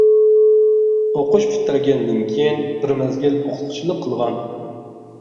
ئوقۇش پۈتتۈرگەندىن كېيىن، بىر مەزگىل ئوقۇتقۇچىلىق قىلغان.